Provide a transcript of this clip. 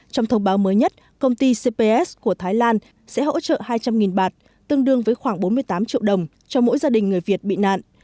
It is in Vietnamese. trong thông báo mới nhất công ty cps của thái lan sẽ hỗ trợ hai trăm linh bạt tương đương với khoảng bốn mươi tám triệu đồng cho mỗi gia đình người việt bị nạn